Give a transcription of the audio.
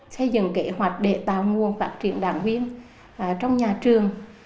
xây dựng kế hoạch để tạo nguồn phát triển đảng viên trong nhà trường